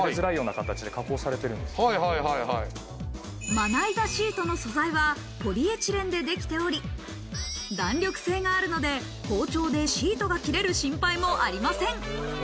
まな板シートの素材はポリエチレンでできており、弾力性があるので包丁でシートが切れる心配もありません。